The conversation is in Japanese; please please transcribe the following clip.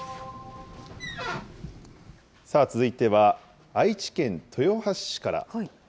続いては、愛知県豊橋市から。